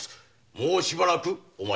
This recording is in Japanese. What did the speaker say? もうしばらく。